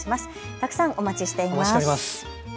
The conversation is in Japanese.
たくさんお待ちしています。